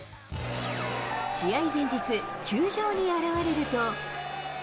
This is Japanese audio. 試合前日、球場に現れると。